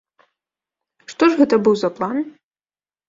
Што ж гэта быў за план?